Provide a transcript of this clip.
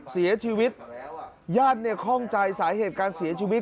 เสียชีวิตญาติข้องใจสาเหตุการณ์เสียชีวิต